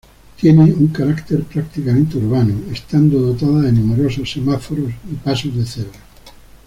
Tiene un carácter prácticamente urbano, estando dotada de numerosos semáforos y pasos de cebra.